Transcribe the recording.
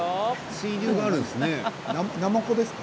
水流があるんですね。